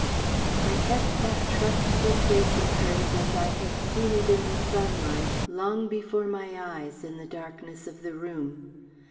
I kept that trustful face of hers as I had seen it in the sunlight, long before my eyes in the darkness of the room.